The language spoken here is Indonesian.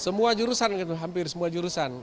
semua jurusan gitu hampir semua jurusan